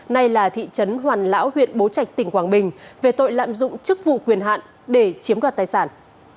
nay là thị trấn hoàn lão huyện bố trạch tỉnh quảng bình về tội lạm dụng chức vụ quyền hạn để chiếm đoạt tài sản